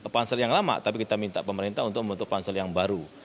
pansel yang lama tapi kita minta pemerintah untuk membentuk pansel yang baru